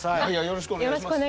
よろしくお願いします。